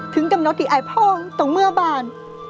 ถึงกำเนาะที่ไอ้พ่อต้องเมื่อบาน